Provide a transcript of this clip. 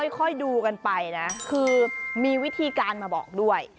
ค่อยดูกันไปนะคือมีวิธีการมาบอกด้วย